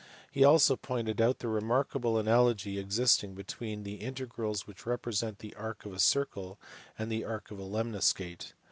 He also pointed out the remarkable analogy existing between the integrals which represent the arc of a circle and the arc of a lemniscate.